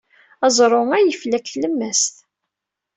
Aẓru-a yefla deg tlemmast.